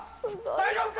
「大丈夫か？」。